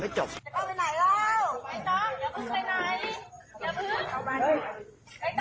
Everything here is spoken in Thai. ไม่ต้องอย่าพึ่งไปไหน